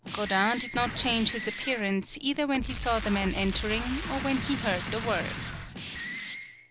Rodin did not change his appearance either when he saw the man entering or when he heard the words.